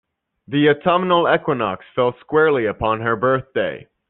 The autumnal equinox fell squarely upon her birthday.